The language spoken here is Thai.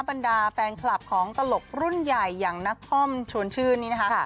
บรรดาแฟนคลับของตลกรุ่นใหญ่อย่างนักคอมชวนชื่นนี่นะคะ